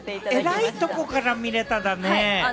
えらいところから見れたんだね。